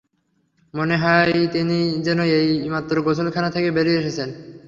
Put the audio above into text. মনে হয় তিনি যেন এইমাত্র গোসলখানা থেকে বেরিয়ে এসেছেন।